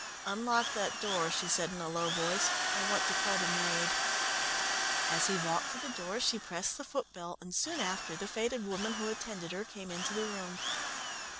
"Unlock that door," she said in a low voice, "I want to call the maid." As he walked to the door, she pressed the footbell, and soon after the faded woman who attended her came into the room.